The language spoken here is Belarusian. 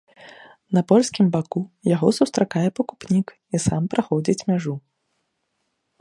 На польскім баку яго сустракае пакупнік і сам праходзіць мяжу.